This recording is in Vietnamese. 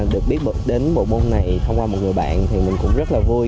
được biết đến bộ môn này thông qua một người bạn thì mình cũng rất là vui